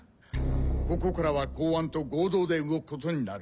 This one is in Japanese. ここからは公安と合同で動くことになる。